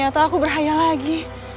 ternyata aku berbahaya lagi